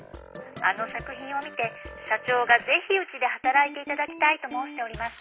☎あの作品を見て社長がぜひうちで働いていただきたいと申しておりまして。